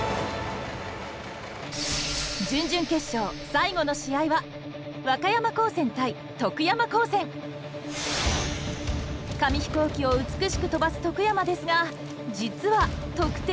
準々決勝最後の試合は紙飛行機を美しく飛ばす徳山ですが実は得点力も高いんです！